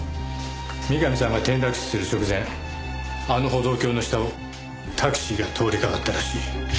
三上さんが転落死する直前あの歩道橋の下をタクシーが通りかかったらしい。